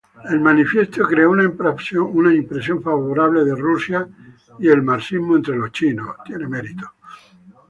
El manifiesto creó una impresión favorable de Rusia y el marxismo entre los chinos.